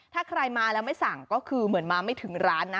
ถ้าใครมาแล้วไม่สั่งก็คือเหมือนมาไม่ถึงร้านนะ